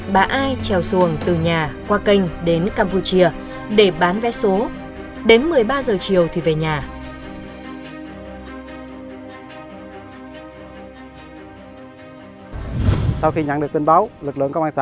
bà ai trèo xuồng từ nhà qua kênh đến campuchia để bán vé số